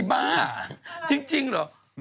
บ้าอ่ะจริงเหรอ